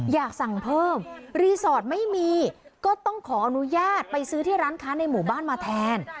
อยากสั่งเพิ่มรีสอร์ทไม่มีก็ต้องขออนุญาตไปซื้อที่ร้านค้าในหมู่บ้านมาแทน